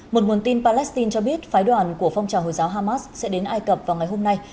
một nguồn tin palestine cho biết phái đoàn của phong trào hồi giáo hamas sẽ đến ai cập vào ngày hôm nay